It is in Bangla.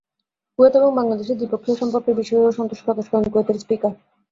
কুয়েত এবং বাংলাদেশের দ্বিপক্ষীয় সম্পর্কের বিষয়েও সন্তোষ প্রকাশ করেন কুয়েতের স্পিকার।